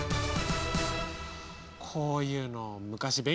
こういうの昔勉強したな。